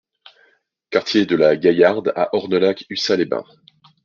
Quartier de la Gaillarde à Ornolac-Ussat-les-Bains